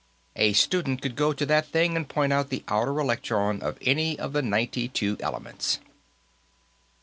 A student could go to that thing and point out the outer electron of any of the ninety two elements."